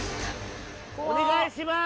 お願いします